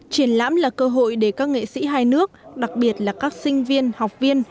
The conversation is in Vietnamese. triển lãm là cơ hội để các nghệ sĩ hai nước đặc biệt là các sinh viên học viên